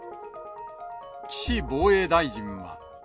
岸防衛大臣は。